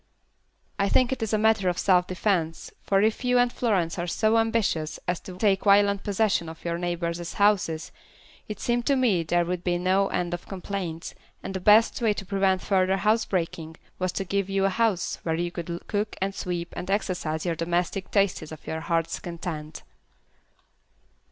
"I think it is a matter of self defence, for if you and Florence are so ambitious as to take violent possession of your neighbors' houses, it seemed to me there would be no end of complaints, and the best way to prevent further housebreaking was to give you a house where you could cook and sweep and exercise your domestic tastes to your hearts' content."